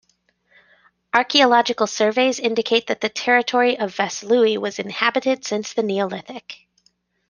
Archaeological surveys indicate that the territory of Vaslui was inhabited since the Neolithic.